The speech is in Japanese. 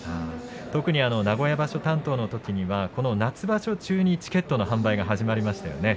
特に名古屋場所担当のときは夏場所中にチケットの販売が始まりましたよね。